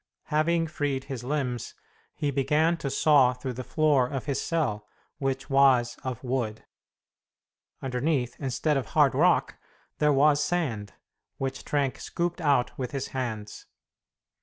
Having freed his limbs, he began to saw through the floor of his cell, which was of wood. Underneath, instead of hard rock, there was sand, which Trenck scooped out with his hands.